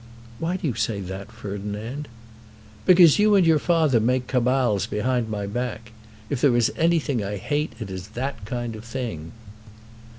"Why do you say that, Ferdinand?" "Because you and your father make cabals behind my back. If there is anything I hate it is that kind of thing."